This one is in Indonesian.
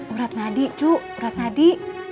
urat nadi cuk urat nadi